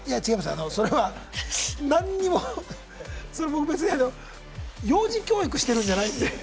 あのそれは何にもそれ僕別にあの幼児教育してるんじゃないんで。